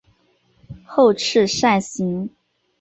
后翅扇形。